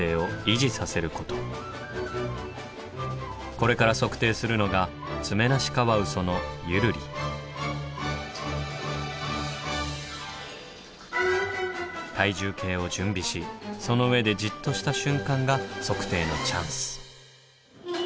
これから測定するのが体重計を準備しその上でジッとした瞬間が測定のチャンス！